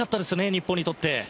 日本にとって。